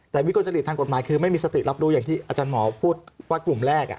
แต่วิกลจริตทางกฎหมายคือไม่มีสติรับรู้อย่างที่อาจารย์หมอพูดว่ากลุ่มแรก